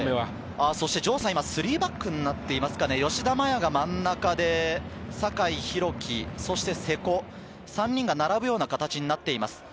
城さん、今、３バックになっていますが、吉田麻也が真ん中で酒井宏樹、瀬古、３人が並ぶような形になっています。